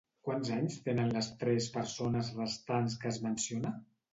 Quants anys tenen les tres persones restants que es menciona?